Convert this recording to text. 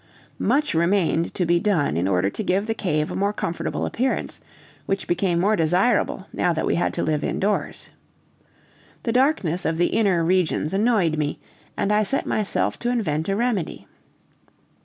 Much remained to be done in order to give the cave a comfortable appearance, which became more desirable now that we had to live indoors. The darkness of the inner regions annoyed me, and I set myself to invent a remedy.